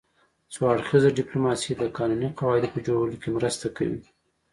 څو اړخیزه ډیپلوماسي د قانوني قواعدو په جوړولو کې مرسته کوي